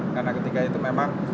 karena ketika itu memang